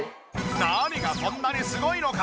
何がそんなにすごいのか？